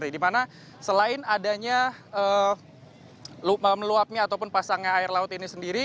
di mana selain adanya meluapnya ataupun pasangnya air laut ini sendiri